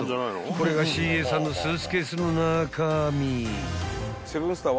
これがＣＡさんのスーツケースの中身］